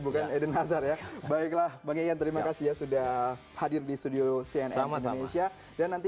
bukan eden hazar ya baiklah bang yayan terima kasih ya sudah hadir di studio cnn indonesia dan nanti